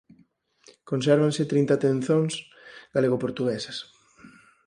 Consérvanse trinta tenzóns galego-portuguesas